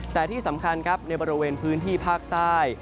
แต่ที่สำคัญครับในบริเวณพื้นที่ภาคใต้